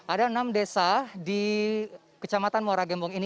ada enam desa di kecamatan muara gembong ini